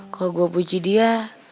kalo gue buji dia